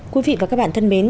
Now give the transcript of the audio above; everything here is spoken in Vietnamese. quý vị và các bạn thân mến